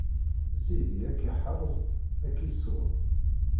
Sidi ad k-iḥrez ad k-iṣun.